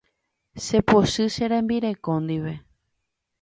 Chepochy che rembireko ndive.